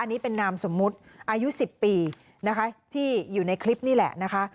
อันนี้เป็นนามสมมุติอายุ๑๐ปีนะคะที่อยู่ในคลิปนี่แหละนะคะ